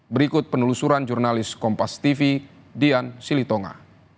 berikut penelusuran jurnalis kompas tv dian silitonga